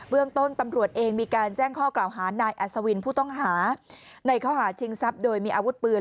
เรื่องต้นตำรวจเองมีการแจ้งข้อกล่าวหานายอัศวินผู้ต้องหาในข้อหาชิงทรัพย์โดยมีอาวุธปืน